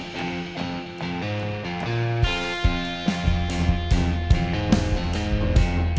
kayak di orang sana deh